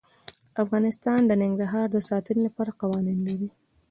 افغانستان د ننګرهار د ساتنې لپاره قوانین لري.